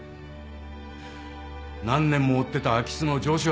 何年も追ってた空き巣の常習犯だ。